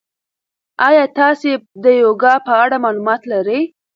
ایا تاسي د یوګا په اړه معلومات لرئ؟